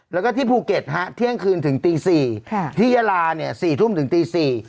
แล้วก็ที่ภูเก็ตเที่ยงคืนถึงตี๔ที่ยาลาเนี่ย๔ทุ่มถึงตี๔